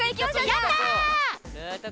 やったー！